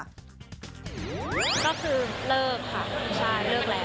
ก็คือเลิกค่ะใช่เลิกแล้ว